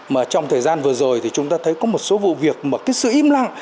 mà trong thời gian vừa rồi thì chúng ta thấy có một số vụ việc mà cái sự im lặng